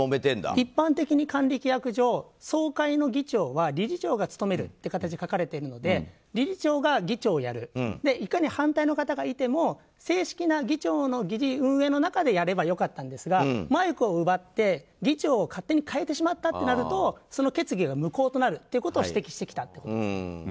一般的に、管理規約上総会の議長は理事長が務めるという形で書かれているが理事長が議長をやるいかに反対の方がいても正式な議長の議事運営の中でやればよかったんですがマイクを奪って議長を勝手に代えてしまったとなると決議が無効となるということを指摘してきたんです。